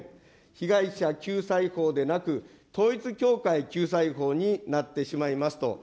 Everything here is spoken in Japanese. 被害者救済法でなく、統一教会救済法になってしまいますと。